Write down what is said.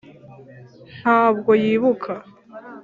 ntabwo yibuka.